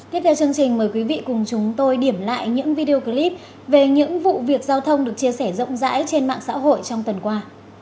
tiếp theo chương trình mời quý vị cùng chúng tôi điểm lại những video clip về những vụ việc giao thông được chia sẻ rộng rãi trên mạng xã hội trong tuần qua